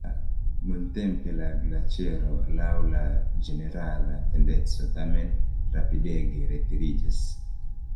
Nuntempe la glaĉero laŭ la ĝenerala tendenco tamen rapidege retiriĝas.